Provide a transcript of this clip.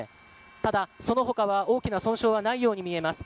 ただ、その他は大きな損傷はないように見えます。